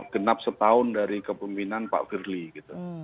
genap setahun dari kepemimpinan pak firly gitu